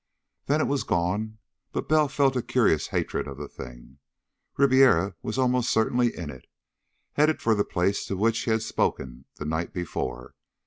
Then it was gone, but Bell felt a curious hatred of the thing. Ribiera was almost certainly in it, headed for the place to which he had spoken the night before.